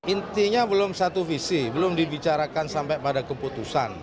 intinya belum satu visi belum dibicarakan sampai pada keputusan